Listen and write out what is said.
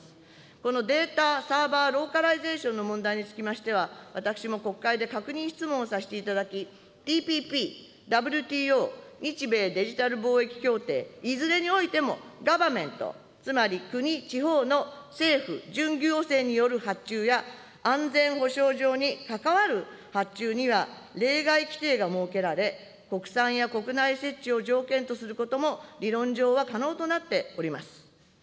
このデータ・サーバーローカライゼーションの問題につきましては、私も国会で確認質問をさせていただき、ＴＰＰ、ＷＴＯ、日米デジタル貿易協定、いずれにおいてもガバメント、つまり国、地方の政府・準行政による発注や、安全保障上に関わる発注には例外規定が設けられ、国産や国内設置を条件とすることも理論上は可能となっております。